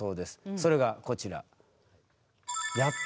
それがこちら。